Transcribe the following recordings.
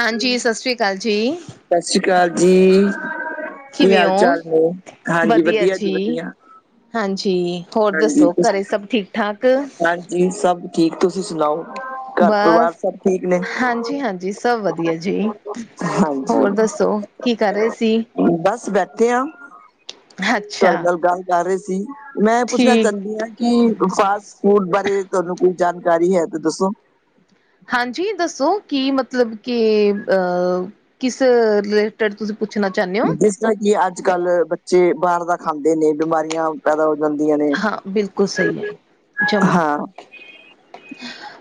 ਹਾਂਜੀ, ਸਸ ਸ੍ਰੀ ਕਾਲ ਜੀ। ਸਤਿ ਸ੍ਰੀ ਅਕਾਲ ਜੀ, ਕੀ ਕਿਵੇਂ ਹਾਲ ਓ, ਚਾਲ ਨੇ? ਹਾਂਜੀ ਵਧੀਆ ਜੀ। ਵਧੀਆ, ਹਾਂਜੀ, ਹੋਰ ਦੱਸੋ ਘਰੇ ਸਭ ਠੀਕ ਠਾਕ? ਜੀ ਸਭ ਠੀਕ ਤੁਸੀਂ ਸੁਣਾਓ? ਘਰ ਪਰਿਵਾਰ ਸਭ ਠੀਕ ਨੇ? ਹਾਂਜੀ-ਹਾਂਜੀ ਸਭ ਵਧੀਆ ਜੀ ਹਾਂਜੀ, ਹੋਰ ਦੱਸੋ ਕੀ ਕਰ ਰੇ ਸੀ। ਬਸ ਬੈਠੇ ਆ ਅੱਛਾ ਤੁਹਾਡੇ ਨਾਲ ਗੱਲ ਕਰ ਰੇ ਸੀ। ਮੈਂ ਏ ਪੁੱਛਣਾ ਠੀਕ ਚਾਂਦੀ ਆ ਕੀ ਫਾਸਟ ਫੂਡ ਬਾਰੇ ਤੁਹਾਨੂੰ ਕੋਈ ਜਾਣਕਾਰੀ ਹੈ ਤੇ ਦੱਸੋ। ਹਾਂਜੀ ਦੱਸੋ ਕੀ ਮਤਲਬ ਕੀ ਅ ਕਿਸ ਰੀ ਲੇਟਡ ਤੁਸੀਂ ਪੁੱਛਣਾ ਚਾਨੇ ਓ? ਜ ਕੀ ਅੱਜ-ਕੱਲ ਬੱਚੇ ਬਾਰ ਦਾ ਖਾਂਦੇ ਨੇ ਬਿਮਾਰੀਆਂ ਪੈਦਾ ਹੋ ਜਾਂਦੀਆਂ ਨੇ ਹਾਂ ਬਿਲਕੁਲ ਸਹੀ ਹੈ ਜਮਾ ਹਾਂ। [inaudible]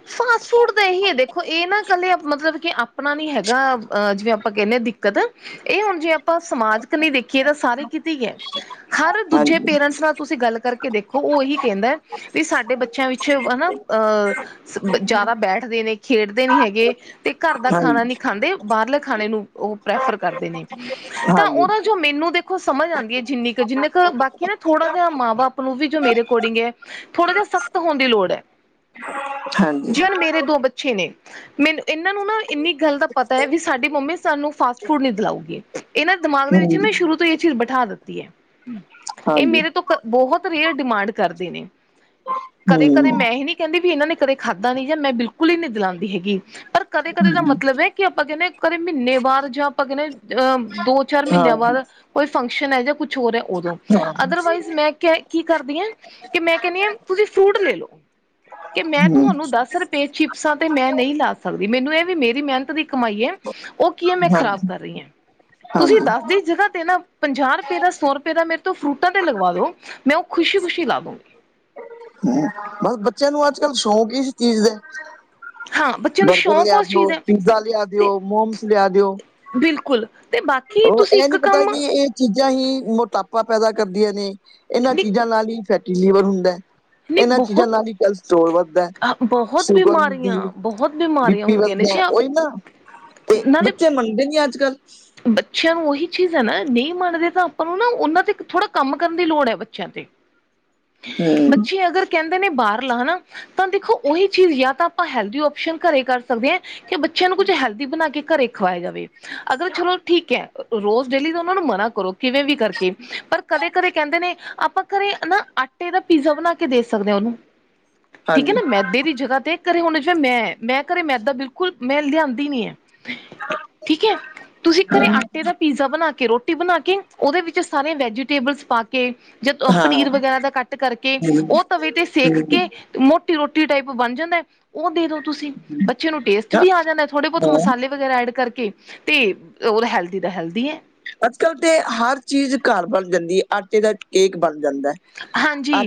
ਫਾਸਟ ਫੂਡ ਦਾ ਏਹੀ ਐ ਦੇਖੋ ਏ ਨਾ ਕੱਲੇ ਮਤਲਬ ਕੇ ਆਪਣਾ ਨੀ ਹੈਗਾ ਜਿਵੇਂ ਆਪਾਂ ਕੈਨੇ ਆ ਦੀ ਕਤ ਏ ਹੁਣ ਜੇ ਆਪਾਂ ਸਮਾਜ ਕਨੀ ਦੇਖੀਏ ਤਾਂ ਸਾਰੇ ਕਿਤੇ ਈ ਐ। ਹਰ ਦੂਜੇ ਹਾਂਜੀ ਪੇਰੈਂਟਸ ਨਾਲ ਤੁਸੀਂ ਗੱਲ ਕੇ ਦੇਖੋ ਓ ਏਹੀ ਕੈਂਦੈ ਦਾ ਵੀ ਸਾਡੇ ਬੱਚਿਆਂ ਵਿੱਚ ਹਨਾ ਅ ਸ ਬ ਜਾਦਾ ਬੈਠਦੇ ਨੇ ਖੇਡਦੇ ਨੀ ਹੈਗੇ ਤੇ ਘਰ ਦਾ ਹਾਂਜੀ ਖਾਣਾ ਨੀ ਖਾਂਦੇ ਬਾਰਲੇ ਖਾਣੇ ਨੂੰ ਓ ਪ੍ਰੈਫਰ ਕਰਦੇ ਨੇ ਤਾਂ ਹਾਂਜੀ ਓਦਾ ਜੋ ਮੈਨੂੰ ਦੇ ਖੋ ਸਮਝ ਆਂਦੀ ਆ ਜਿੰਨੀ ਕ ਜਿੰਨ ਕ ਬਾਕੀ ਨਾ ਥੋੜਾ ਜਾ ਮਾਂ -ਬਾ ਪ ਨੂੰ ਵੀ ਜੋ ਮੇਰੇ ਅਕੋਰਡਿੰਗ ਐ ਥੋੜਾ ਜਾ ਸਖ਼ਤ ਹੋਣ ਦੀ ਲੋੜ ਐ। ਹਾਂਜੀ ਜੀ ਹੁਣ ਮੇਰੇ ਦੋ ਬੱਚੇ ਨੇ ਮੈਨੂੰ ਏਨਾਂ ਨੂੰ ਨਾ ਇੰਨੀ ਗੱਲ ਦਾ ਪਤੈ ਵੀ ਸਾਡੀ ਮੰਮੀ ਸਾਨੂੰ ਫਾਸਟ ਫੂਡ ਨੀ ਦਿਲਾਊਗੀ ਏਨਾਂ ਦਿਮਾਗ ਦੇ ਵਿੱਚ ਹਮ ਨਾ ਸ਼ੁਰੂ ਤੋਂ ਈ ਏ ਚੀਜ਼ ਬਿਠਾ ਦਿੱਤੀ ਐ ਏ ਹਾਂਜੀ ਮੇਰੇ ਤੋਂ ਕ ਬੋਹ ਰੇਅਰ ਡਿਮਾਂਡ ਕਰਦੇ ਨੇ ਕਦੇ-ਕਦੇ ਹਮ ਮੈਂ ਹੀ ਨੀ ਕੈਂਦੀ ਵੀ ਏਨਾਂ ਨੇ ਕਦੇ ਖਾਧਾ ਨੀ ਜਾਂ ਮੈਂ ਬਿਲਕੁੱਲ ਈ ਨੀ ਦਲਾਂਦੀ ਹੈਗੀ ਪਰ ਕਦੇ-ਕਦੇ ਦਾ ਹਮ ਮਤਲਬ ਐ ਕੀ ਆਪਾਂ ਕੈਨੇ ਕਦੇ ਮੀਨੇ ਬਾਦ ਜਾਂ ਆਪਾਂ ਕੈਨੇ ਅ ਦੋ-ਚਾਰ ਹਾਂ ਮੀਨਿਆਂ ਬਾਅਦ ਕੋਈ ਫੰਕਸ਼ਨ ਐ ਜਾਂ ਕੁਛ ਹੋਰ ਐ ਓਦੋਂ ਹਾਂ ਅਦਰਵਾਈਜ਼ ਮੈਂ ਕਿਆ ਕੀ ਕਰਦੀ ਆ ਕੀ ਮੈਂ ਕੈਨੀ ਆ ਤੁਸੀਂ ਫਰੂਟ ਲੇਲੋ ਕੀ ਮੈਂ ਹਮ ਤੁਹਾਨੂੰ ਦਸ ਰੁ ਪਰ ਚਿਪਸਾਂ ਤੇ ਮੈਂ ਨਈ ਲਾ ਸਕਦੀ ਮੈਨੂੰ ਏ ਵੀ ਮੇਰੀ ਮਿਹਨਤ ਦੀ ਕਮਾਈ ਐ ਓ ਕੀ ਆ ਮੈਂ ਖ਼ਰਾਬ ਹਾਂਜੀ ਹਾਂਜੀ ਕਰ ਰੀਆ ਤੁਸੀਂ ਹਮ ਦੱਸਦੀ ਜਗ੍ਹਾ ਤੇ ਨਾ ਪੰਜਾਹ ਰੁਪਏ ਦਾ ਸੌ ਰੁਪਏ ਦਾ ਮੇਰੇ ਤੋਂ ਫਰੂਟਾਂ ਤੇ ਲਗਵਾ ਦੋ ਮੈਂ ਓ ਖੁਸ਼ੀ-ਖੁਸ਼ੀ ਲਾ ਦੂੰਗੀ। ਹੂੰ ਬਸ ਬੱਚਿਆਂ ਨੂੰ ਅੱਜ-ਕੱਲ ਸ਼ੌਂਕ ਈ ਇਸ ਚੀਜ਼ ਦੈ। ਹਾਂ ਬੱਚੇ ਨੂੰ ਬਰਗਰ ਸ਼ੌਕ ਲਿਆ ਉਸ ਚੀਜ਼ ਦਿਓ, ਦਾ ਪੀਜ਼ਾ ਲਿਆ ਦਿਓ, ਮੋਮਸ ਲਿਆ ਦਿਓ। ਬਿਲਕੁੱਲ ਤੇ ਬਾਕੀ ਉਹ ਤੁਸੀਂ ਇਹ ਇੱਕ ਨੀ ਪਤਾ ਕੰਮ ਕਿ ਇਹ ਚੀਜ਼ਾਂ ਹੀ ਮੋਟਾਪਾ ਪੈਦਾ ਕਰਦੀਆਂ ਨੇ ਏਨਾਂ ਨੀ ਚੀਜ਼ਾਂ ਨਾਲ ਹੀ ਫੈਟੀ ਲਿਵਰ ਹੁੰਦੈ। ਨਹੀਂ ਏਨਾਂ ਚੀਜ਼ਾਂ ਬਹੁਤ ਨਾਲ ਈ ਕੈਲ ਸਟੋਰਲ ਵੱਧਦੈ ਬਹੁਤ ਸ਼ੂਗਰਮ ਦੀ ਬਿਮਾਰੀਆਂ ਬਹੁਤ ਬੀ ਬਿਮਾਰੀਆਂ ਪੀ ਹੁੰਦੀਆਂ ਨੇ ਜੀ ਵੱਧਦੈ ਓਈ ਨਾ ਤੇ ਨਾਲੇ ਬੱਚੇ ਮੰਨਦੇ ਨੀ ਅੱਜ-ਕੱਲ। ਬੱਚਿਆਂ ਨੂੰ ਓਹੀ ਚੀਜ਼ ਐ ਨਾ ਨਈ ਮੰਨਦੇ ਤਾਂ ਆਪਾਂ ਨੂੰ ਨਾ ਓਨਾਂ ਤੇ ਇਕ ਥੋੜਾ ਕੰਮ ਕਰਨ ਦੀ ਲੋੜ ਐ ਬੱਚਿਆਂ ਤੇ। ਹਮ ਬੱਚੇ ਅਗਰ ਕੈਂਦੇ ਨੇ ਬਾਰਲਾ ਹਨਾ ਤਾਂ ਦੇਖੋ ਓਹੀ ਚੀਜ਼ ਯਾਂ ਤਾਂ ਆਪਾਂ ਹੈਲਦੀ ਓਪਸ਼ਨ ਘਰੇ ਕਰ ਸਕਦੇ ਐ ਕੇ ਬੱਚਿਆਂ ਨੂੰ ਕੁੱਝ ਹੈਲਦੀ ਬਣਾ ਕੇ ਘਰੇ ਖਵਾਇਆ ਜਾਵੇ ਅਗਰ ਚਲੋ ਠੀਕ ਐ ਰੋਜ਼ ਡੇਲੀ ਦਾ ਓਨਾਂ ਨੂੰ ਮਨਾ ਕਰੋ ਕਿਵੇਂ ਵੀ ਕਰਕੇ ਪਰ ਕਦੇ-ਕਦੇ ਕੈਂਦੇ ਨੇ ਆਪਾਂ ਠੀ ਘਰੇ ਨਾ ਆਟੇ ਦਾ ਪੀਜ਼ਾ ਬਣਾ ਕੇ ਦੇ ਸਕਦੇ ਓਨੂੰ। ‌ ਠੀਕ ਐ ਹਾਂਜੀ ਨਾ ਮੈਦੇ ਦੀ ਜਗ੍ਹਾ ਤੇ ਘਰੇ ਹੁਣ [unintelligible] ਮੈਂ-ਮੈਂ ਘਰੇ ਮੈਦਾ ਬਿਲਕੁੱਲ ਮੈਂ ਲਿਆਂਦੀ ਨੀ ਆ। ਠੀਕ ਐ ਤੁਸੀਂ ਘਰੇ ਆਟੇ ਦਾ ਪੀਜ਼ਾ ਬਣਾ ਕੇ ਰੋ ਟੀ ਬਣਾ ਕੇ ਓਦੇ ਵਿੱਚ ਸਾਰੇ ਵੈਜੀਟੇਬਲਸ ਪਾ ਕੇ ਜ ਹਾਂ ਪਨੀਰ ਵਗੈਰਾ ਦਾ ਕੱਟ ਕਰਕੇ ਹਮ ਓ ਤਵੇ ਤੇ ਸੇਖ ਹਮ ਕੇ ਮੋਟੀ ਰੋਟੀ ਟਾਈਪ ਬਣ ਜਾਂਦੈ ਓ ਦੇ ਦੋ ਤੁਸੀਂ ਬੱਚੇ ਨੂੰ ਟੇਸਟ ਵੀ ਆ ਜਾਂਦੈ, ਥੋੜੇ ਬੋਤ ਹਾਂ ਮਸਾਲੇ ਵਗੈਰਾ ਐੜ ਕਰਕੇ ਤੇ ਓਦਾ ਹੈਲਦੀ ਦਾ ਹੈਲਦੀ ਐ। ਅੱਜ-ਕਲ ਤੇ ਹਾਰ ਚੀਜ ਘਾਰ ਬਣ ਜਾਂਦੀ ਏ, ਆਟੇ ਦਾ ਕੇਕ ਬਨ ਜਾਂਦੈ। ਹਾਂਜੀ।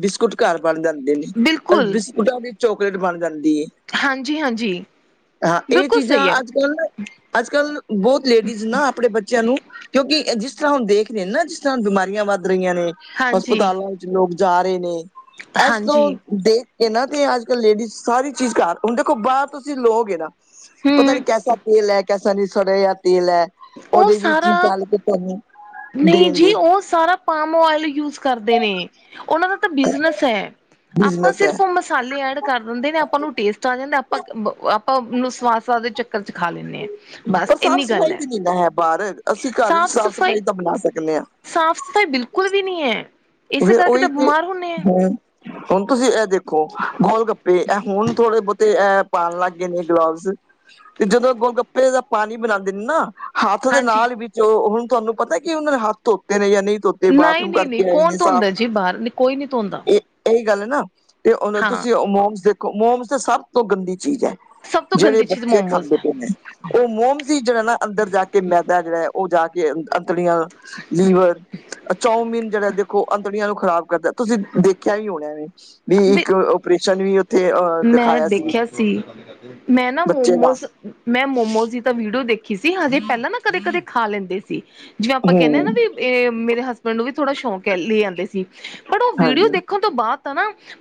ਬਿਸਕੁਟ ਘਾਰ ਬਾਣ ਜਾਂਦੇ ਨੇ, ਅਰ ਬਿਲਕੁਲ ਬਿਸਕੁਟਾਂ ਦੀ ਚੋਕਲੇਟ ਬਾਣ ਜਾਂਦੀ ਏ। ਹਾਂਜੀ ਹਾਂਜੀ ਹਾਂ, ਏ ਬਿਲਕੁਲ ਚੀਜਾ ਸਹੀ ਹੈ ਅੱਜ-ਕੱਲ ਨਾ ਅੱਜ-ਕਲ ਬੋਤ ਲੇੜੀਜ਼ ਨਾ ਆਪਣੇ ਬ ਚੇਆਂ ਨੂੰ ਕੇਓਂਕਿ ਏ ਜਿਸ ਤਰਾਂ ਹੋਨ ਦੇਖਰੇ ਨ ਨਾ ਜਿਸ ਤਰਾਂ ਬਿਮਾਰੀਆਂ ਵੱਦ ਰਈਆਂ ਨੇ ਹਾਂਜੀ ਹਸਪਤਾਲੋਂ ਲੋਕ ਜਾ ਰੇ ਨੇ, ਐਸ ਹਾਂਜੀ ਤੋਂ ਦੇਖ ਏਨਾਂ ਤੇ ਅੱਜ-ਕੱਲ ਲੇੜੀਜ਼ ਸਾਰੀ ਚੀਜ ਘਾਰ ਹੋਨ ਦੇਖੋ ਬਾਰ ਤੁਸੀਂ ਲੋਗੇ ਨਾ ਪਤਾ ਨੀ ਹਮ ਕੈਸਾ ਤੇਲ ਐ, ਕੈਸਾ ਨੀ ਸੜੇਆ ਏ ਤੇਲ ਐ। ਓ ਸਾਰਾ, ਨਈ ਜੀ ਦੇਣਗੇ ਓ ਸਾਰਾ ਪਾਮ ਓਏਲ ਯੂਜ਼ ਕਰਦੇ ਨੇ, ਓਨਾਂ ਦਾ ਤਾਂ ਬਿਜ਼ਨਸ ਐ ਆਪਾਂ ਬਿਜਨਸ ਹੈ ਸਿਰਫ ਮ ਸਾਲੇ ਐੜ ਕਾਰ ਦੰਦੇ ਨੇ ਆਪਾਂ ਨੂੰ ਟੇਸਟ ਆ ਜਾਂਦੈ ਆਪਾਂ-ਕ ਬ ਅ ਆਪਾਂ ਓਨੂੰ ਸਵਾਦ-ਸਵਾਦ ਦੇ ਚੱਕਰ ਚ ਖਾ ਲੈਂਨੇ ਆਂ ਪਰ ਸਾਫ-ਸਫਾਈ ਤੇ ਨੀ ਨਾ ਹੈ ਬਾਰ ਅਸੀਂ ਘਾਰ ਈਚ ਸਾਫ਼ ਸਫ਼ਾਈ ਸਾਫ-ਸਫਾਈ ਤਾਂ ਬਣਾ ਸਕਨੇ ਆਂ। ਸਾਫ਼ ਸਫ਼ਾਈ ਬਿਲਕੁਲ ਵੀ ਨਹੀਂ ਹੈ ਇਸੇ ਫੇਰ ਕਰਕੇ ਓਈ ਤਾਂ ਤੇ, ਬਿਮਾਰ ਹੁੰਦੇ ਆ ਹੂੰ। ਹੋਨ ਤੁਸੀਂ ਐ ਦੇਖੋ, ਗੋਲ-ਗੱਪੇ ਐ ਹੋਨ ਥੋੜੇ-ਬੋਤੇ ਐ ਪਾਨ ਲੱਗ ਗੇ ਨੇ ਗਲਵਜ਼। ਤੇ ਜਦੋਂ ਏ ਗੋਲ-ਗੱਪੇ ਦਾ ਪਾਨੀ ਬਨਾਂਦੇ ਨ ਨਾ, ਹਾੱਥ ਦੇ ਹਾਂਜੀ ਨਾਲ ਵਿੱਚ ਓ ਹੁਨ ਤੂਆਨੂੰ ਪਤਾ ਕਿ ਓਨਾਂ ਨੇ ਹਾੱਥ ਧੋਤੇ ਨੇ ਯਾ ਨਈ। ਧੋਤੇ ਨਹੀਂ ਬਾਥਰੂਮ ਨਹੀਂ ਨਹੀਂ ਕਰਕੇ ਆਏ ਕੌਣ ਨੇ ਸਾਫ, ਧੋਂਦਾ ਜੀ ਬਾਹਰ ਕੋਈ ਨੀ ਧੋਂਦਾ ਏ ਏ ਗੱਲ ਨਾ, ਤੇ ਹੋਨ ਹਾਂ ਤੁਸੀਂ ਓ ਮੋਮਸ ਦੇਖੋ ਮੋਮਸ ਤੋ ਸਬ ਤੋਂ ਗੰਦੀ ਚੀਜ ਐ। ਸਭ ਤੋਂ ਜੇੜੇ ਗੰਦੀ ਚੀਜ਼ ਬੱਚੇ ਮੋਮੋਸ ਖਾਂਦੇ ਹੈ ਪੇਨੇ। ਓ ਮੋਮਸ ਈ ਜੇੜਾ ਨਾ ਅੰਦਰ ਜਾ ਕੇ ਮੈਦਾ ਜੇੜਾ ਐ ਓ ਜਾ ਕੇ ਆ ਤੜੀਆਂ, ਲੀਵਰ ਅ ਚਾਊਮੀਨ ਜੇੜਾ ਦੇਖੋ ਅੰਤੜੀਆਂ ਨੂੰ ਖਰਾਬ ਕਰਦੈ। ਤੁਸੀਂ ਦੇਖੇਆ ਵੀ ਹੋਣਾ ਵੇ, ਵੀ ਇੱਕ ਓਪਰੇਸ਼ਨ ਵੀ ਉੱਥੇ ਅਹ ਮੈਂ ਦਿਖਾਇਆ ਦੇਖੇਆ ਸੀ ਮੈਂ ਨਾ ਬੱਚੇ ਦਾ ਮੋਮਸ ਮੈਂ ਮੋਮੋਸ ਦੀ ਤਾਂ ਵੀੜੀਓ ਦੇਖੀ ਸੀ ਹਜੇ ਪੈਲਾਂ ਮੈਂ ਕਦੇ-ਕਦੇ ਖਾ ਲੈਂਦੀ ਸੀ ਜਿਵੇਂ ਆਪਾਂ ਕੇਨੇ ਆਂ ਨਾ ਹਮ ਵੀ ਏ, ਮੇਰੇ ਹਸਬੈਂਡ ਨੂੰ ਵੀ ਥੋੜਾ ਸ਼ੌਕ ਐ ਲੈ ਆਂਦੇ ਸੀ, ਪਰ ਓ ਵੀਡੀਓ ਹਾਂਜੀ ਦੇਖਨ ਤੋਂ ਬਾਦ ਤਾਂ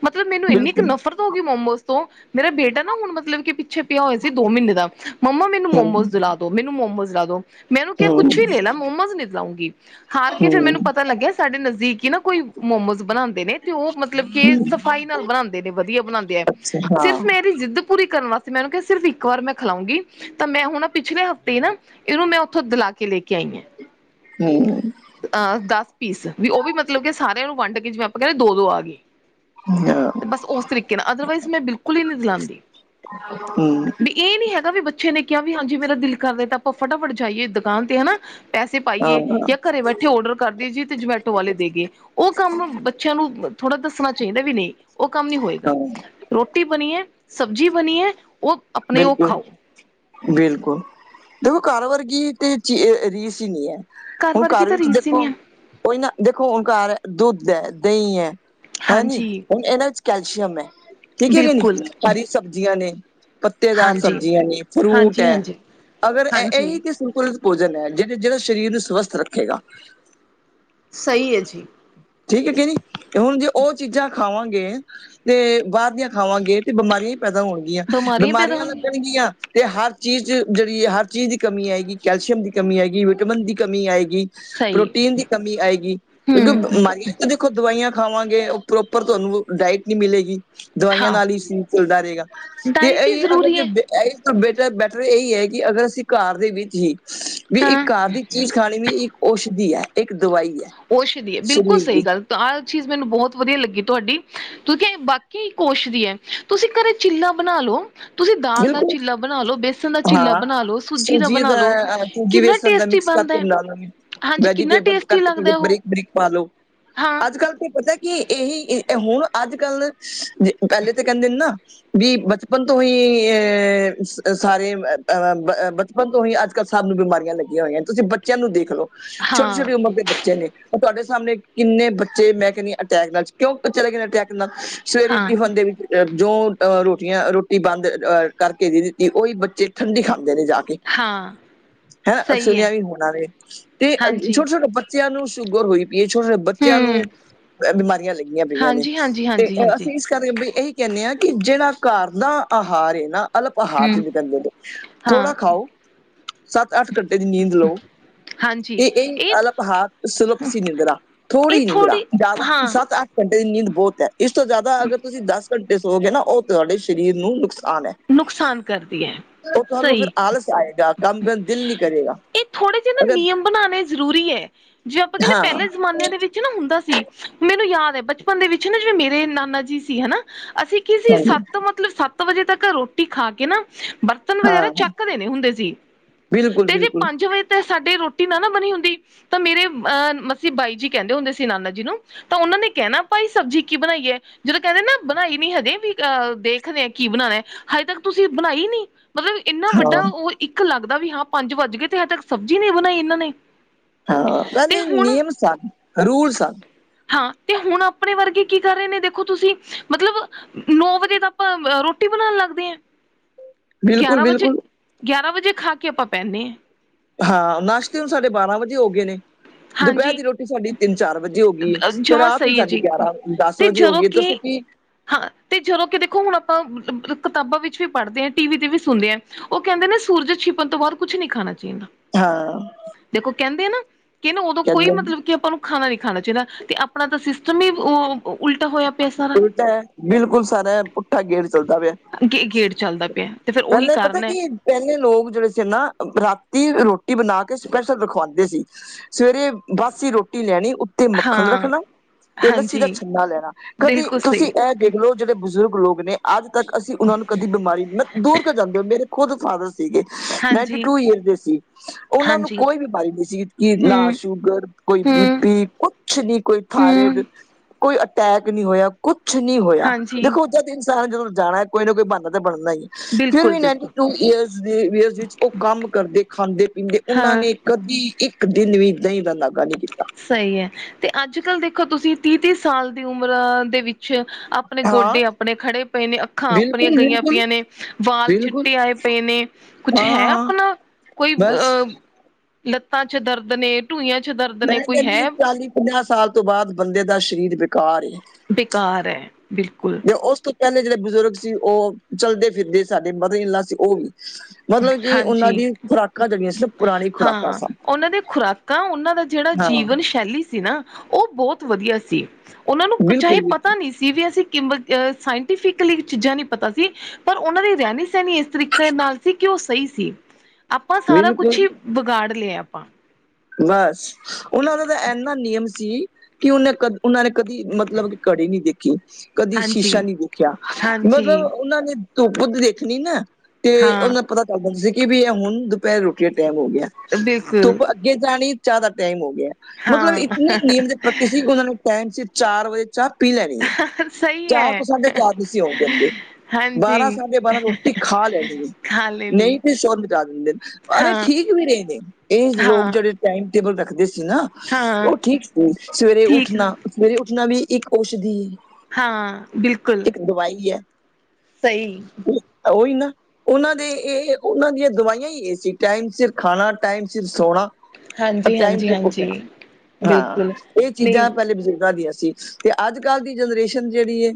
ਮਤਲਬ ਮੈਨੂੰ ਐਨੀ ਕ ਬਿਲਕੁਲ ਨਫ਼ਰਤ ਹੋ ਗੀ ਮੋਮੋਸ ਤੋਂ ਮੇਰਾ ਬੇਟਾ ਨਾ ਹੁਣ ਮਤਲਬ ਕਿ ਪਿੱਛੇ ਪੇਆ ਹੋਯਾ ਸੀ ਦੋ ਮ੍ਹੀਨੇ ਦਾ, ਮੰਮਾ ਮੈਨੂੰ ਮੋਮੋਸ ਹਮ ਦਿਲਾ ਦੋ ਮੈਨੂੰ ਮੋਮੋਜ਼ ਦੀਲਾ ਦੋ, ਮੈਂ ਓਨੂੰ ਕੇਆ ਕੁਛ ਹਮ ਵੀ ਲੇਲਾ ਮੋਮੋਜ਼ ਨੀ ਦੀਲਾਉਂਗੀ ਹਾਰ ਕੇ ਫੇਰ ਮੈਨੂੰ ਪਤਾ ਲੱਗੇਆ ਸਾਡੇ ਨਜ਼ਦੀਕ ਈ ਨਾ ਕੋਈ ਮੋਮੋਜ਼ ਬਨਾਂਦੇ ਨੇ ਤੇ ਓ ਮਤਲਬ ਕੇ ਹਮ ਸਫਾਈ ਨਾਲ ਬਣਾਂਦੇ ਨੇ ਵਦੀਆ ਬਨਾਂਦੇ ਐ, ਅੱਛਾ ਹਾਂ ਸਿਰਫ ਮੇੈਂ ਦੀ ਜਿੱਦ ਪੂਰੀ ਕਰਨ ਵਾਸਤੇ ਮੈਂ ਓਨੂੰ ਕੇਆ ਸਿਰਫ਼ ਇੱਕ ਵਾਰ ਮੈਂ ਖਲਾਊਂਗੀ ਤਾਂ ਮੈਂ ਹੋਣ ਓ ਪਿਛਲੇ ਹਫ਼ਤੇ ਈ ਨਾ, ਇਨੂੰ ਮੈਂ ਓਥੋਂ ਦਲਾ ਕੇ ਲੇ ਕੇ ਆਈ ਐਂ। ਹੂੰ ਆਂ ਦੱਸ ਪੀਸ, ਓਵੀ ਮਤਲਬ ਕੇ ਸਾਰੇਆਂ ਨੂੰ ਵੰਡ ਕੇ ਜਿਵੇਂ ਆਪਾਂ ਕੈਂਦੇ ਆ ਦੋ-ਦੋ ਆਗੇ। ਹਾਂ ਬਸ ਓਸ ਤਰੀਕੇ ਨਾਲ, ਅਦਰਵਾਈਜ਼ ਮੈਂ ਬਿਲਕੁਲ ਈ ਨੀ ਦੀਲਾਂਦੀ ਹਮ ਬੀ ਏ ਨੀ ਹੈਗਾ ਵੀ ਬੱਚੇਆ ਨੇ ਕੇਆ ਵੀ ਹਾਂਜੀ ਮੇਰਾ ਦਿਲ ਕਾਰ ਰੇਆ ਤਾਂ ਆਪਾਂ ਫਟਾਫਟ ਜਾਈਏ ਦਕਾਨ ਤੇ ਹਣਾ ਪੈਸੇ ਪਾਈਏ, ਹਾਂ ਯਾ ਘਰੇ ਬੈਠੇ ਓਡਰ ਕਰਦੀਏ ਜੀ ਤੇ ਜਮੈਟੋ ਵਾਲੇ ਦੇ ਗਏ ਓ ਕੰਮ ਬ ਬੱਚੇਆਂ ਨੂੰ ਥੋੜਾ ਦੱਸਣਾ ਚਾਈਦਾ ਵੀ ਨਈ ਓ ਕੰਮ ਨੀ ਹੋਏਗਾ। ਹਾਂ ਰੋਟੀ ਬਨੀ ਏ ਸਬਜੀ ਬਨੀ ਏ ਓ ਬਿਲਕੁਲ ਬਿਲਕੁਲ, ਦੇਖੋ ਘਾਰ ਵਰਗੀ ਤੇ ਚੀ ਰੀਸ ਈ ਨੀ ਐ। ਹੁਣ ਵਰਗੀ ਘਰ ਤਾਂ ਵਿੱਚ ਰੀਸ ਹੀ ਨਹੀਂ ਦੇਖੋ ਹੈ। ਉਈ ਨਾ ਦੇਖੋ ਹੁਣ ਘਰ ਦੁੱਧ ਹੈ, ਦਹੀਂ ਹੈ। ਹੈ ਨੀ ਹਾਂਜੀ, ਇਹਨਾਂ ਵਿੱਚ ਕੈਲਸ਼ੀਅਮ ਹੈ ਠੀਕ ਹੈ ਕਿ ਨੀ ਬਿਲਕੁਲ ਸਾਰੀ ਸਬਜ਼ੀਆਂ ਨੇ। ਪੱਤੇਦਾਰ ਹਾਂਜੀ, ਸਬਜ਼ੀਆਂ ਨੇ, ਫਰੂਟ ਹਾਂਜੀ, ਏ ਹਾਂਜੀ। ਅਗਰ ਹਾਂਜੀ, ਇਹੀ ਕਿਸਮ ਕੋਲ ਭੋਜਨ ਹੈ ਜਿਹੜੇ-ਜਿਹੜਾ ਸਰੀਰ ਨੂੰ ਸਵਸਥ ਰੱਖੇਗਾ। ਸਹੀ ਹੈ ਜੀ। ਠੀਕ ਹੈ ਕਿ ਨਹੀ, ਹੁਣ ਜੇ ਉਹ ਚੀਜ਼ਾਂ ਖਾਵਾਂਗੇ। ਤੇ ਬਾਹਰ ਦੀਆਂ ਖਾਵਾਂਗੇ ਤੇ ਬਿਮਾਰੀਆਂ ਹੀ ਪੈਦਾ ਹੋਣਗਿਆਂ। ਬਿਮਾਰੀਆਂ ਪੈਦਾ ਹੋਣਗੀਆਂ। ਗਿਆ, ਤੇ ਹਰ ਚੀਜ਼ ਜਿਹੜੀ ਹਰ ਚੀਜ਼ ਦੀ ਕਮੀ ਆਏਗੀ, ਕੈਲਸ਼ੀਅਮ ਦੀ ਕਮੀ ਆਏਗੀ ਵਿਟਾਮਿਨ ਦੀ ਕਮੀ ਆਏਗੀ। ਸਹੀ ਪ੍ਰੋਟੀਨ ਦੀ ਕਮੀ ਆਏਗੀ ਕਿਉਂਕਿ ਹੂੰ ਬਿਮਾਰੀਆਂ ਉ ਦੇਖੋ ਦਵਾਈਆਂ ਖਾਵਾਂਗੇ, ਉ ਪ੍ਰੋਪਰ ਤੁਹਾਨੂੰ ਡਾਇਟ ਨਹੀਂ ਮਿਲੇਗੀ। ਦਵਾਈਆਂ ਹਾਂ ਨਾਲ ਹੀ ਸ਼ਰੀਰ ਚੱਲਦਾ ਰਹੇਗਾ ਤੇ ਡਾਇਟ ਹੀ ਇ ਅਗਰ ਜ਼ਰੂਰੀ ਜੇ ਹੈ। ਇਹੀ ਤੇ ਬੈਟਰ-ਬੈਟਰ ਇਹੀ ਹੈ ਕਿ ਅਗਰ ਅਸੀਂ ਘਰ ਦੇ ਵਿੱਚ ਹੀ ਵੀ ਇੱਕ ਹਾਂ ਘਰ ਦੀ ਚੀਜ਼ ਖਾਣੀ। ਵੀ ਇੱਕ ਔਸ਼ਧੀ ਹੈ, ਇੱਕ ਦਵਾਈ ਹੈ, ਸ਼ਰੀਰ ਦੀ। ਤਾਹ ਚੀਜ਼ ਮੈਨੂੰ ਬਹੁਤ ਵਧੀਆ ਲੱਗੀ ਤੁਹਾਡੀ ਕਿਉਂਕਿ ਇਹ ਵਾਕੀ ਇਕ ਔਸਧੀ ਹੈ। ਤੁਸੀਂ ਘਰੇ ਚਿੱਲਾ ਬਣਾ ਲਓ। ਤੁਸੀਂ ਦਾਲ ਦਾ ਬਿਲਕੁਲ ਚਿੱਲਾ ਬਣਾ ਲੋ, ਬੇਸਣ ਦਾ ਚਿੱਲਾ ਹਾਂ ਬਣਾ ਲੋ, ਸੂਜੀ ਦਾ ਬਣਾ ਲੋ। ਸੂਜੀ ਵੇਸਣ ਦਾ ਮਿਕਸ ਕਰਕੇ ਬਣਾ ਲੋ ਹਾਂਜੀ ਕਿੰਨਾ ਵੈਜੀਟੇਬਲ ਟੇਸਟੀ ਕੱਟ ਕੇ। ਲੱਗਦਾ ਉਹ ਬ੍ਰਿਕ-ਬ੍ਰਿਕ ਪਾ ਲੋ ਹਾਂ ਅੱਜ-ਕੱਲ ਕੇ ਪਤਾ ਕੀ ਇਹੀ ਹੁਣ ਅੱਜ-ਕੱਲ ਪਹਿਲੇ ਤਾਂ ਕਹਿੰਦੇ ਨੇ ਨਾ। ਵੀ ਬਚਪਨ ਤੋਂ ਹੀ ਏ ਸਾਰੇ ਅਹ ਬਚਪਨ ਤੋਂ ਹੀ ਅੱਜ-ਕੱਲ੍ਹ ਸਭ ਨੂੰ ਬਿਮਾਰੀਆਂ ਲੱਗੀਆਂ ਹੋਈਆਂ ਤੁਸੀਂ ਬ ਬੱਚਿਆ ਨੂੰ ਦੇਖ ਲੋ, ਹਾਂ ਛੋਟੀ-ਛੋਟੀ ਉਮਰ ਦੇ ਬੱਚੇ ਬੱਚੇ ਨੇ ਤੁਹਾਡੇ ਸਾਹਮਣੇ ਕਿੰਨੇ ਬੱਚੇ, ਮੈਂ ਕਹਿੰਦੀ ਅਟੈਕ ਨਾਲ, ਕਿਉਂ ਚਲੇ ਗਏ ਨੇ ਅਟੈਕ ਨਾਲ? ਸਵੇਰੇ ਹਾਂ ਟਿਫਨ ਦੇ ਵਿਚ ਜੋ ਅ ਰੋਟੀਆਂ-ਰੋਟੀ ਬੰਦ ਅਹ ਕਰਕੇ ਦੇ ਦਿੱਤੀ, ਉਹੀ ਬੱਚੇ ਠੰਡੀ ਖਾਂਦੇ ਨੇ ਜਾ ਕੇ। ਹਾਂ ਹੈਂ, ਸਹੀ ਸੁਣਿਆ ਹੈ ਵੀ ਹੋਣਾ ਵੇ ਤੇ ਹਾਂਜੀ ਛੋਟੇ--ਛੋਟੇ ਬੱਚੇ ਬੱਚਿਆਂ ਨੂੰ ਸ਼ੂਗਰ ਹੋਈ ਪਈ, ਵੀ ਛੋਟੇ-ਛੋਟੇ ਬੱਚਿਆਂ ਨੂੰ ਹਮ ਬਿਮਾਰੀਆਂ ਲੱਗੀਆਂ ਪਈਆਂ ਨੇ ਹਾਂਜੀ ਹਾਂਜੀ ਤੇ ਹਾਂਜੀ ਹਾਂਜੀ ਅਸੀਂ ਇਹੀ ਕਹਿੰਦੇ ਆ ਕਿ ਜਿਹੜਾ ਘਰ ਦਾ ਆਹਾਰ ਏਨਾ ਅਲਪ ਆਹਾਰ ਹਮ ਜਿਨੂੰ ਕਹਿੰਦੇ ਨੇ ਥੋੜ੍ਹਾ ਹਾਂ ਖਾਓ, ਸੱਤ-ਅੱਠ ਘੰਟੇ ਦੀ ਨੀਂਦ ਲਓ। ਇਹ ਇਹ ਅਲੱਪ ਆਹਾਰ ਸੁਲਪ ਸੀ ਨਿੰਦਰਾ, ਇਹ ਥੋੜ੍ਹੀ ਨਿੰਦਰਾ ਜ਼ਿਆਦਾ ਨੀ ਹਾਂ ਸੱਤ-ਅੱਠ ਘੰਟੇ ਦੀ ਨੀਂਦ ਬਹੁਤ ਹੈ ਇਸ ਤੋਂ ਜ਼ਿਆਦਾ ਅਗਰ ਤੁਸੀਂ ਦਸ ਘੰਟੇ ਸੋਗੇ ਨਾ ਉਹ ਤੁਹਾਡੇ ਸਰੀਰ ਨੂੰ ਨੁਕਸਾਨ ਹੈ। ਨੁਕਸਾਨ ਕਰਦੀ ਹੈ। ਉ ਤੁਹਾਨੂੰ ਫਿਰ ਸਹੀ ਆਲਸ ਆਏਗਾ ਕੰਮ ਕਰਨ ਦਾ ਦਿਲ ਨੀ ਕਰੇਗਾ। ਇਹ ਥੋੜੇ ਜਿਹੇ ਨਾ ਅਗਰ ਨਿਯਮ ਬਣਾਣੇ ਜ਼ਰੂਰੀ ਹੈ ਜੇ ਆਪਾਂ ਕਹਿੰਦੇ ਹਾਂ ਪਹਿਲੇ ਜ਼ਮਾਨੇ ਦੇ ਵਿੱਚ ਨਾ ਹੁੰਦਾ ਸੀ ਮੈਨੂੰ ਯਾਦ ਹੈ ਬਚਪਨ ਦੇ ਵਿੱਚ ਨਾ ਜਿਵੇ ਮੇਰੇ ਨਾਨਾ ਜੀ ਸੀ ਹਨਾ ਅਸੀਂ ਕਿ ਅਸੀ ਹਾਂਜੀ ਸੱਤ ਮਤਲਬ ਸੱਤ ਵਜੇ ਤੱਕ ਰੋਟੀ ਖਾ ਕੇ ਨਾਂ ਬਰਤਨ ਵਗੈਰਾ ਹਾਂ ਚੱਕ ਦੇਣੇ ਹੁੰਦੇ ਸੀ, ਬਿਲਕੁਲ ਤੇ ਜੇ ਬਿਲਕੁਲ ਪੰਜ ਵਜੇ ਤੇ ਸਾਡੀ ਰੋਟੀ ਨਾ ਨਾ ਬਣੀ ਹੁੰਦੀ ਤੇ ਮੇਰੇ ਅਹ ਮਸੀ ਬਾਈ ਜੀ ਕਹਿੰਦੇ ਹੁੰਦੇ ਸੀ ਨਾਨਾ ਜੀ ਨੂੰ। ਤਾਂ ਉਹਨਾਂ ਨੇ ਕਹਿਣਾ ਭਾਈ ਸਬਜ਼ੀ ਕੀ ਬਣਾਈ ਐ? ਜਦੋਂ ਕਹਿੰਦੇ ਨਾ ਬਣਾਈ ਨੀ ਹਜੇ ਵੀ ਅਹ ਦੇਖ ਰਹੇ ਆ ਕੀ ਬਣਾਉਣਾ? ਹਜੇ ਤੱਕ ਤੁਸੀਂ ਬਣਾਈ ਨੀ ਮਤਲਬ ਇੰਨਾ ਵੱਡਾ ਹਾਂ ਉ ਇੱਕ ਲੱਗਦਾ ਵੀ ਹਾਂ ਪੰਜ ਵੱਜ ਗਏ ਤੇ ਹਜੇ ਤੱਕ ਸਬਜ਼ੀ ਨਹੀਂ ਬਣਾਈ ਇਹਨਾਂ ਨੇ। ਹਾਂ, ਤੇ ਪਹਿਲੇ ਹੁਣ ਨਿਯਮ ਸਨ ਰੂਲ ਸਨ। ਹਾਂ ਤੇ ਹੁਣ ਆਪਣੇ ਵਰਗੇ ਕੀ ਕਰ ਰਹੇ ਨੇ ਦੇਖੋ ਤੁਸੀਂ, ਮਤਲਬ ਨੌ ਵਜੇ ਤਾਂ ਆਪਾਂ ਰੋ ਟੀ ਬਣਾਣ ਲੱਗਦੇ ਆ। ਬਿਲਕੁਲ ਗਿਆਰਾਂ ਵਜੇ, ਬਿਲਕੁਲ ਗਿਆਰਾਂ ਵਜੇ ਖਾ ਕੇ ਆਪਾਂ ਪੈਂਨੇ ਏ। ਹਾਂ, ਨਾਸ਼ਤੇ ਹੁਣ ਸਾਡੇ ਬਾਰਾਂ ਵਜੇ ਹੋ ਗਏ ਨੇ, ਹਾਂਜੀ ਦੁਪਹਿਰ ਦੀ ਰੋਟੀ ਸਾਡੀ ਤਿੰਨ ਚਾਰ ਵਜੇ ਹੋ ਗਈ ਏ। ਤੇ ਜਮਾਂ ਰਾਤ ਲਈ ਸਹੀ ਹੈ ਸਾਡੀ ਜੀ ਗਿਆਰਾਂ- ਦਸ ਤੇ ਵਜੇ ਹੋ ਜਦੋਂ ਗਈ ਏ, ਕਿ ਦੱਸੋ ਕੀ ਹਾਂ ਤੇ ਜਦੋਂ ਕਿ ਦੇਖੋ ਹੁਣ ਆਪਾਂ, ਕਿਤਾਬਾਂ ਵਿੱਚ ਵੀ ਪੜ੍ਹਦੇ ਆ, ਟੀ ਵੀ ਤੇ ਵੀ ਸੁਣਦੇ ਐ ਉਹ ਕਹਿੰਦੇ ਨਾ ਸੂਰਜ ਛਿਪਣ ਤੋਂ ਬਾਅਦ ਕੁਛ ਨਹੀਂ ਖਾਣਾ ਚਾਹੀਦਾ। ਹਾਂ। 'ਦੇਖੋ ਕਹਿੰਦੇ ਆ ਨਾ, ਕਿ ਏਨੂੰ ਉਦੋਂ ਕੋਈ ਕਹਿੰਦੇ ਮਤਲਬ ਕਿ ਆਪਾਂ ਨੂੰ ਖਾਣਾ ਨੀ ਖਾਣਾ ਚਾਹੀਦਾ ਤੇ ਆਪਣਾ ਤਾਂ ਸਿਸਟਮ ਹੀ ਓ ਉਲਟਾ ਹੋਇਆ ਪ ਉਲਟਾ ਐ, ਬਿਲਕੁਲ ਸਾਰਾ ਪੁੱਠਾ ਗੇਅਰ ਚਲਦਾ ਪਿਆ। ਗ ਗੇੜ ਚੱਲਦਾ ਪਿਆ ਤੇ ਫਿਰ ਉਹੀ ਪਹਿਲੇ ਪਤਾ ਕਾਰਨ ਐ। ਕੀ ਪਹਿਲੇ ਲੋਕ ਜਿਹੜੇ ਸੀ ਨਾ, ਰਾਤੀ ਰੋਟੀ ਬਣਾ ਕੇ ਸਪੈਸ਼ਲ ਰਖਵਾਂਦੇ ਸੀ। ਸਵੇਰੇ ਬਾਸੀ ਰੋਟੀ ਲੈਣੀ, ਉੱਤੇ ਮੱਖਣ ਹਾਂ ਰੱਖਣਾ ਤੇ ਲੱਸੀ ਦਾ ਹਾਂਜੀ ਛੰਨਾ ਲੈਣਾ। ਕਦੇ ਬਿਲਕੁਲ ਤੁਸੀਂ ਸਹੀ ਇਹ ਦੇਖ ਲੌ ਜਿਹੜੇ ਬਜ਼ੁਰਗ ਲੋਕ ਨੇ ਅੱਜ ਤੱਕ ਅਸੀਂ ਉਹਨਾਂ ਨੂੰ ਕਦੀ ਬਿਮਾਰੀ ਦੂਰ ਕੇ ਜਾਂਦੇ ਹੋ ਮੇਰੇ ਖੁਦ ਫਾਦਰ ਸੀਗੇ, ਨਾਈਨਟੀ ਹਾਂਜੀ ਟੂ ਈਅਰ ਦੇ ਸੀ। ਉਹਨਾਂ ਨੂੰ ਹਾਂਜੀ ਕੋਈ ਬਿਮਾਰੀ ਨਹੀਂ ਸੀ, ਕੀ ਨਾ ਹਮ ਸ਼ੂਗਰ, ਕੋਈ ਬੀ ਹਮ ਪੀ ਕੁੱ ਛ ਨਹੀ ਕੋਈ ਹਮ ਥਾਇਰਡ, ਕੋਈ ਅਟੈਕ ਨਹੀਂ ਹੋਇਆ, ਕੁਛ ਨਹੀ ਹੋਇਆ। ਹਾਂਜੀ ਦੇਖੋ ਜਦ ਇਨਸਾਨ ਜਦੋਂ ਜਾਣਾ ਕੋਈ ਨਾ ਕੋਈ ਬਹਾਨਾ ਤਾਂ ਬਣਨਾ ਹੀ ਏ। ਫਿਰ ਬਿਲਕੁਲ ਵੀ ਨਾਈਨਟੀ ਬਿਲਕੁਲ ਟੂ ਈਅਰ ਦੇ ਵਿੱਚ ਉਹ ਕੰਮ ਕਰਦੇ, ਖਾਂਦੇ- ਪੀਂਦੇ ਉਹਨਾਂ ਹਾਂ ਨੇ ਕਦੀ ਇੱਕ ਦਿਨ ਵੀ ਦਹੀ ਦਾ ਨਾਗਾ ਨਹੀ ਕੀਤਾ। ਸਹੀ ਐ, ਤੇ ਅੱਜ ਕੱਲ ਦੇਖੋ ਤੁਸੀਂ ਤੀਹ -ਤੀਹ ਸਾਲ ਦੀ ਉਮਰ ਦੇ ਵਿੱਚ ਆ ਆਪਣੇ ਹਾਂ ਗੋਡੇ ਆਪਣੇ ਖੜੇ ਪਏ ਨੇ, ਅੱਖਾਂ ਆਪਣੀਆਂ ਬਿਲਕੁਲ ਗਈਆਂ ਬਿਲਕੁਲ ਪਈਆਂ ਨੇ, ਵਾਲ ਬਿਲਕੁਲ ਚਿੱਟੇ ਆਏ ਪਏ ਨੇ। ਕੁਛ ਹਾਂ ਹੈ ਹਾਂ ਆਪਣਾ, ਕੋਈ ਬਸ ਅਹ ਲੱਤਾਂ ਚ ਦਰਦ ਨੇ, ਢੂਈਆਂ ਚ ਦਰਦ ਨੇ। ਕੋਈ ਕਹਿੰਦੀਆਂ ਹੈ ਚਾਲੀ- ਪੰਜਾਹ ਸਾਲ ਤੋਂ ਬਾਦ, ਬੰਦੇ ਦਾ ਸਰੀਰ ਬੇਕਾਰ ਏ। ਬੇਕਾਰ ਐ, ਬਿਲਕੁਲ। ਤੇ ਉਸ ਤੋਂ ਪਹਿਲੇ ਜਿਹੜੇ ਬਜ਼ੁਰਗ ਸੀ, ਉਹ ਚਲਦੇ ਫਿਰਦੇ ਸਾਡੇ ਮਦਰ ਇਨ ਲਾ ਸੀ ਓ ਵੀ। ਮਤਲਬ ਕਿ ਉਹਨਾਂ ਹਾਂਜੀ ਦੀ ਖੁਰਾਕਾਂ ਜਿਹੜੀਆਂ ਸੀ, ਪੁਰਾਣੀ ਖੁਰਾਕਾਂ ਸਨ। ਨਾ ਉਹਨਾਂ ਦਾ ਜਿਹੜਾ ਹਾਂ ਜੀਵਨ ਸ਼ੈਲੀ ਸੀ ਨਾ ਉਹ ਬਹੁਤ ਵਧੀਆ ਸੀ, ਉਹਨਾਂ ਨੂੰ ਚਾਹੇ ਬਿਲਕੁਲ ਪਤਾ ਬਿਲਕੁਲ ਨਹੀਂ ਸੀ ਬੀ ਐੱਸ ਕਿਬਤ ਸਾਇੰਟੀਫਿਕਲੀ ਚੀਜ਼ਾਂ ਨਹੀਂ ਪਤਾ ਸੀ ਪਰ ਉਹਨਾਂ ਦੀ ਰਹਿਣੀ-ਸਹਿਣੀ ਇਸ ਤਰੀਕੇ ਨਾਲ ਸੀ ਕਿ ਓ ਸਹੀ ਸੀ, ਆਪਾਂ ਸਾਰਾ ਬਿਲਕੁਲ ਕੁਛ ਹੀ ਵਿਗਾੜ ਲਿਆ ਆਪਾਂ। ਬਸ ਉਨਾਂ ਦਾ ਤਾਂ ਐਨਾ ਨਿਯਮ ਸੀ ਕਿ ਉਹਨੇ ਕ ਉਹਨਾਂ ਨੇ ਕਦੀ ਮਤਲਬ ਘੜੀ ਨਹੀਂ ਦੇਖੀ, ਕਦੀ ਸ਼ੀਸ਼ਾ ਹਾਂਜੀ ਨੀ ਦੇਖਿਆ, ਮਤਲਬ ਹਾਂਜੀ ਉਨਾਂ ਨੇ ਧੁੱਪ ਦੇਖਣੀ ਨਾ ਤੇ ਉਹਨਾਂ ਨੂੰ ਹਾਂ ਪਤਾ ਚੱਲ ਜਾਂਦਾ ਸੀ ਕਿ ਵੀ ਹੁਣ ਦੁਪਹਿਰੇ ਰੋਟੀ ਦਾ ਟੈਮ ਹੋ ਗਿਆ। ਬਿਲਕੁਲ। ਧੁੱਪ ਅੱਗੇ ਜਾਣੀ ਚਾਹ ਦਾ ਟਾਈਮ ਹੋ ਗਿਆ, ਮਤਲਬ ਇਤਨੇ ਨਿਯਮ ਹਾਂ ਦੇ ਪੱਕੇ ਸੀ ਉਹਨਾਂ ਨੂੰ ਟਾਈਮ ਚ ਚਾਰ ਵਜੇ ਚਾਹ ਪੀ ਲੈਣੀ ਐ, ਸਹੀ ਚਾਰ ਹੈ ਤੋਂ ਸਾਢੇ ਚਾਰ ਨਹੀਂ ਸੀ ਹੋਣ ਦਿੰਦੇ। ਹਾਂਜੀ ਬਾਰਾਂ-ਸਾਢੇ ਬਾਰਾਂ ਰੋਟੀ ਖਾ ਲੈਣੀ ਐ। ਖਾ ਨਹੀਂ ਲੈਣੀ ਤੇ ਸ਼ੋਰ ਮਚਾ ਦਿੰਦੇ, ਪਰ ਇਹ ਹਾਂ ਠੀਕ ਵੀ ਰਹੇ ਨੇ, ਇਹ ਲੋਕ ਹਾਂ ਜਿਹੜੇ ਟਾਈਮ ਟੇਬਲ ਰੱਖਦੇ ਸੀ ਨਾ, ਹਾਂ ਉਹ ਠੀਕ ਸੀ, ਸਵੇਰੇ ਠੀਕ ਉੱਠਣਾ ਸਵੇਰੇ ਉੱਠਣਾ ਵੀ ਇੱਕ ਔਸ਼ਦੀ ਐ। ਹਾਂ, ਬਿਲਕੁਲ। ਦਵਾਈ ਐ। ਸਈ। ਓਈ ਨਾ। ਉਨਾਂ ਦੇ ਏ ਉਨਾਂ ਦੀਆਂ ਦਵਾਈਆਂ ਏ ਸੀ, ਟਾਈਮ ਸਿਰ ਖਾਨਾ, ਟਾਈਮ ਸਿਰ ਸੋਣਾ ਔਰ ਹਾਂਜੀ ਟਾਈਮ ਹਾਂਜੀ ਸਿਰ ਹਾਂਜੀ ਉਠਨਾ, ਹਾਂ ਬਿਲਕੁਲ ਏ ਨਹੀਂ ਚੀਜਾਂ ਪ੍ਹੈਲੇ ਬਜ਼ੁਰਗਾਂ ਦੀਆਂ ਸੀ। ਤੇ ਆੱਜ ਕਾੱਲ ਦੀ ਜਨਰੇਸ਼ਨ ਜੇੜੀ ਏ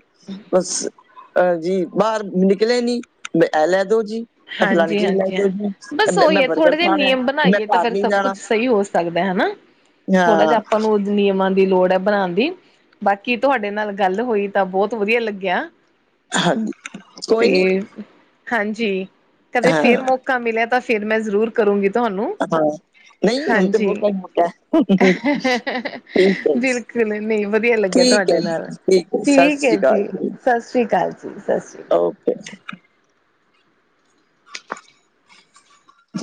ਬੱਸ ਅ ਜੀ ਬਾਰ ਨਿਕਲੇ ਨੀ, ਬ ਐ ਲੈ ਦੋ ਜੀ। ਐ ਫਲਾਨੀ ਹਾਂਜੀ ਚੀਜ ਲੈ ਹਾਂਜੀ ਦੋ ਹਾਂ ਜੀ, ਬਸ ਮੈਂ ਉਹੀ ਹੈ ਬਰਗਰ ਖਾਨੈ, ਮੈਂ ਘਾਰ ਨੀ ਜਾਣਾ। ਸਈ ਹੋ ਸਕਦੈ, ਹਨਾ, ਥੋੜਾ ਹਾਂ, ਜਾ ਅਪਾਂ ਨੂੰ ਨਿਯਮਾਂ ਦੀ ਲੋੜ ਐ ਬਨਾਨ ਦੀ। ਬਾਕੀ ਤੁਹਾਡੇ ਨਾਲ ਗਾੱਲ ਹੋਈ ਤਾਂ ਬੋਤ ਵਦੀਆ ਲੱਗੇਆ। ਹਾਂਜੀ ਤੇ, ਕੋਈ ਨੀ ਹਾਂਜੀ। ਕਦੇ ਹਾਂ, ਫੇਰ ਮੌਕਾ ਮਿਲੇਆ ਤਾਂ ਫੇਰ ਮੈਂ ਜ਼ਰੂਰ ਕਰੂੰਗੀ ਤੁਹਾਨੂੰ, ਹਾਂ ਨਹੀਂ ਹੁਣ ਤੇ ਹਾਂਜੀ, ਮੌਕਾ ਹੀ ਮੌਕਾ ਹੈ। ਠੀਕ ਹੈ ਬਿਲ ਜੀ, ਨੀ ਮੈਂ ਮੀ ਵਦੀਆ ਲੱਗੇਆ ਠੀਕ ਹੈ ਤੂਆਡੇ ਨਾਲ, ਜੀ, ਹੈ ਸਤਿ ਠੀਕ ਏ ਸ੍ਰੀ ਅਕਾਲ ਜੀ, ਸਸ੍ਰੀ ਕਾਲ ਜੀ, ਸਸ੍ਰੀ ਕਾਲ। [inaudible]